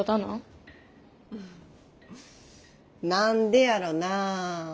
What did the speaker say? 何でやろなあ？